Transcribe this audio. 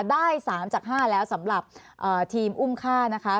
ได้๓จาก๕แล้วสำหรับทีมอุ้มฆ่านะคะ